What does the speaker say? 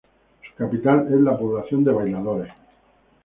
Su capital es la población de Bailadores.